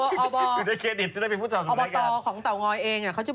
ปลาหมึกแท้เต่าทองอร่อยทั้งชนิดเส้นบดเต็มตัว